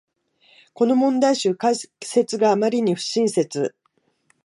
この問題集、解説があまりに不親切